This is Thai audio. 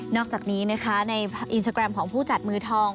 อกจากนี้นะคะในอินสตาแกรมของผู้จัดมือทอง